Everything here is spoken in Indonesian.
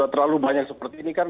terlalu banyak seperti ini kan